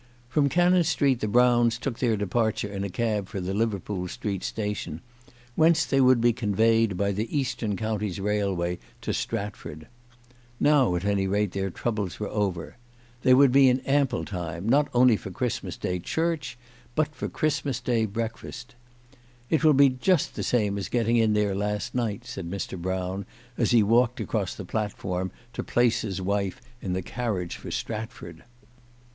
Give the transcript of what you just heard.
From Cannon Street the Browns took their departure in a cab for the Liverpool Street Station, whence they would be conveyed by the Eastern Counties Railway to Stratford. Now at any rate their troubles were over. They would be in ample time, not only for Christmas Day church, but for Christmas Day breakfast. " It will be just the same as getting in there last night," said Mr. Brown, as he walked across the platform to place his wife in the carriage for Stratford.